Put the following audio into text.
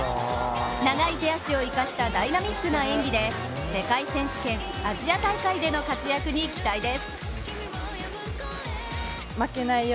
長い手足を生かしたダイナミックな演技で世界選手権、アジア大会での活躍に期待です。